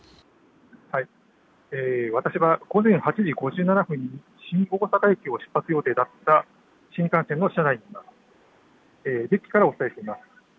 私は午前８時５７分に新大阪駅を出発予定だった新幹線の車内デッキからお伝えしています。